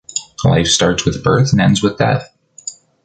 Life starts with birth and ends with death.